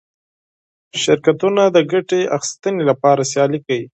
شرکتونه د ګټې اخیستنې لپاره سیالي کوي.